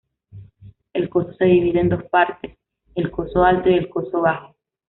El Coso se divide en dos partes: el Coso Alto y el Coso Bajo.